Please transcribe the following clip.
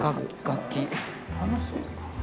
楽しい。